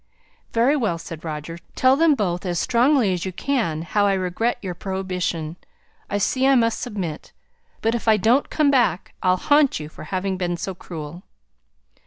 "Very well," said Roger. "Tell them both as strongly as you can how I regret your prohibition. I see I must submit. But if I don't come back, I'll haunt you for having been so cruel."